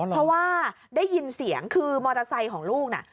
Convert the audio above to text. เพราะว่าได้ยินเสียงคือมอเตอร์ไซค์ของลูกน่ะ